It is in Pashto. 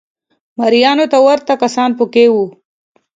مریانو ته ورته کسان په کې وو